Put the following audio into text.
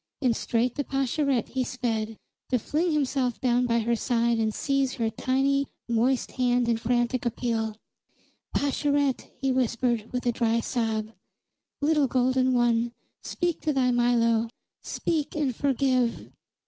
And straight to Pascherette he sped, to fling himself down by her side and seize her tiny, moist hand in frantic appeal. "Pascherette!" he whispered with a dry sob. "Little golden one, speak to thy Milo. Speak, and forgive!"